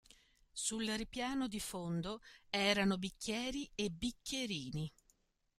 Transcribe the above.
Sul ripiano di fondo erano bicchieri e bicchierini.